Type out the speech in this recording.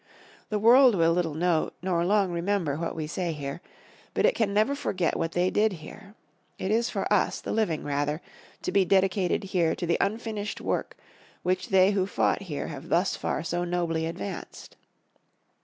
The world will little note, nor long remember, what we say here, but it can never forget what they did here. It is for us, the living, rather, to be dedicated here to the unfinished work which they who fought here have thus far so nobly advanced.